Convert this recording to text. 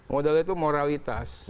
modalnya itu moralitas